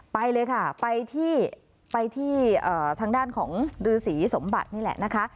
ไปเลยค่ะไปที่ทางด้านของดื้อสีสมบัตินี่แหละนะคะ